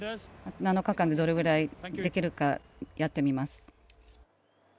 ７日間でどれぐらいできるかやってみます。